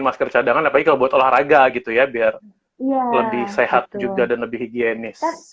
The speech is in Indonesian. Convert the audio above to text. masker cadangan apalagi kalau buat olahraga gitu ya biar lebih sehat juga dan lebih higienis